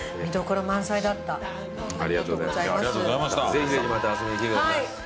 ぜひぜひまた遊びに来てください。